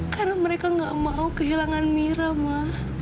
karena mereka gak mau kehilangan mira ma